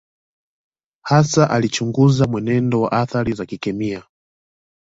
Hasa alichunguza mwendo wa athari za kikemia.